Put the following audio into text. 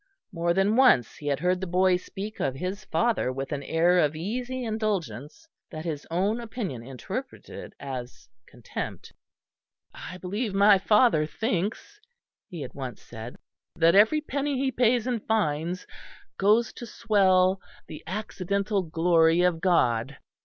More than once he had heard the boy speak of his father with an air of easy indulgence, that his own opinion interpreted as contempt. "I believe my father thinks," he had once said, "that every penny he pays in fines goes to swell the accidental glory of God."